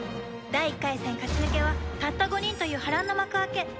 第１回戦勝ち抜けはたった５人という波乱の幕開け